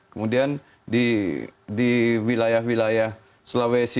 kemudian di wilayah wilayah sulawesi